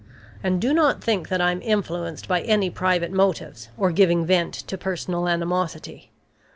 And do not think that I am influenced by any private motives, or giving vent to personal animosity.